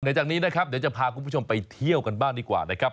เดี๋ยวจากนี้นะครับเดี๋ยวจะพาคุณผู้ชมไปเที่ยวกันบ้างดีกว่านะครับ